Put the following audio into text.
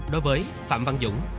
đối với phạm văn dũng